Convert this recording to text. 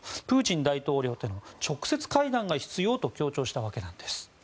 プーチン大統領との直接会談が必要と強調したわけなんです。